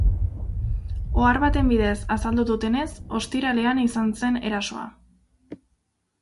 Ohar baten bidez azaldu dutenez, ostiralean izan zen erasoa.